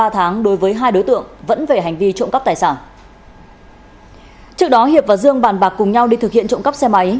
trước đó hiệp và dương bàn bạc cùng nhau đi thực hiện trộm cắp xe máy